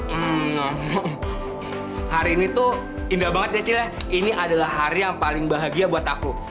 hmm hari ini tuh indah banget desi lah ini adalah hari yang paling bahagia buat aku